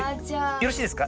よろしいですか？